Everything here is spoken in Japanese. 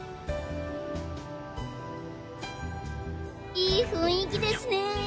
いい雰囲気ですね。